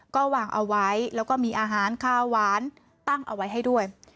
ก็วางเอาไว้แล้วก็มีอาหารคาวหวานตั้งเอาไว้ให้ด้วย